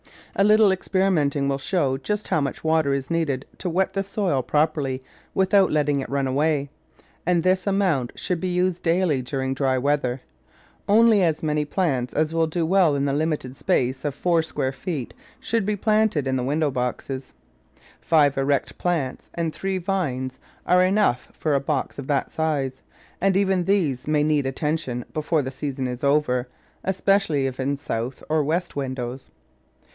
A little experimenting will show just how much water is needed to wet the soil properly with out letting it run away, and this amount should be used daily during dry weather. Only as many plants as will do well in the limited space of four square feet should be planted in the window boxes. Five Digitized by Google 90 The Flower Garden [Chapter erect plants and three vines are enough for a box of that size, and even these may need attention before the season is over, especially if in south or west windows.